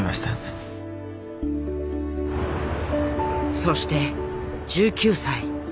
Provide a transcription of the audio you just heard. そして１９歳。